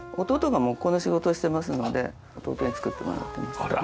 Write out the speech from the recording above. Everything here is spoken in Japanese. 弟が木工の仕事をしてますので弟に作ってもらってます。